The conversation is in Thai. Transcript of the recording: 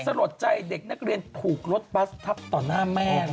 หลดใจเด็กนักเรียนถูกรถบัสทับต่อหน้าแม่เลย